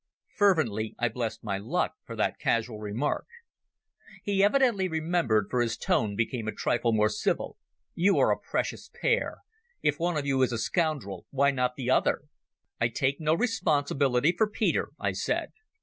Fervently I blessed my luck for that casual remark. He evidently remembered, for his tone became a trifle more civil. "You are a precious pair. If one of you is a scoundrel, why not the other?" "I take no responsibility for Peter," I said.